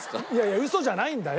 ウソじゃないんだよ！